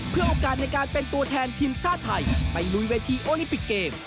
เพื่อโอกาสในการเป็นตัวแทนทีมชาติไทยไปลุยเวทีโอลิมปิกเกม